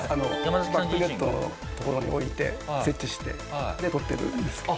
バックネットの所に置いて設置してで撮ってるんですけど。